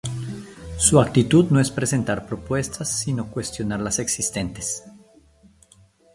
Su actitud no es presentar propuestas sino cuestionar las existentes.